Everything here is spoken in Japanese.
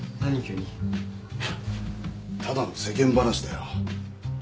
いやただの世間話だよ。